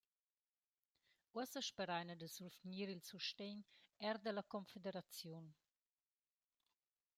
Uossa speraina da survgnir il sustegn eir da la confederaziun.